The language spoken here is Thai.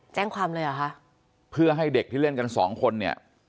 แจ้งความเลยเหรอคะเพื่อให้เด็กที่เล่นกันสองคนเนี่ย